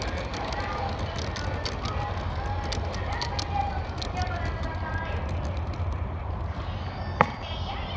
では、ＶＴＲの続きをご覧ください。